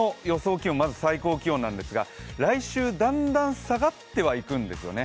気温、まず最高気温ですが来週だんだん下がってはいくんですよね。